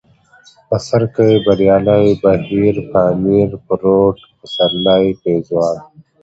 بڅرکى ، بريالی ، بهير ، پامير ، پروټ ، پسرلی ، پېزوان